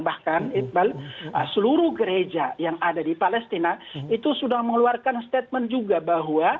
bahkan iqbal seluruh gereja yang ada di palestina itu sudah mengeluarkan statement juga bahwa